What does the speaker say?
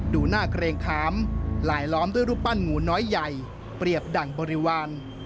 ดูหน้าเกรงขามลายล้อมด้วยรูปปั้นหมูน้อยใหญ่เปรียบดั่งบริวาร